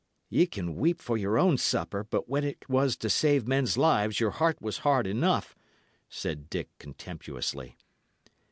"Ye can weep for your own supper, but when it was to save men's lives, your heart was hard enough," said Dick, contemptuously.